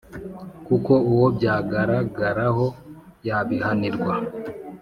kuko uwo byagaragaraho yabihanirwa.